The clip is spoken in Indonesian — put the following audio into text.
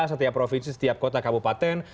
setiap provinsi setiap kota kabupaten